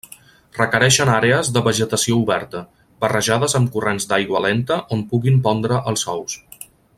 Requereixen àrees de vegetació oberta, barrejades amb corrents d'aigua lenta on puguin pondre els ous.